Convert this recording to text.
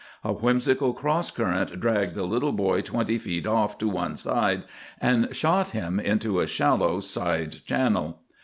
A whimsical cross current dragged the little boy twenty feet off to one side, and shot him into a shallow side channel.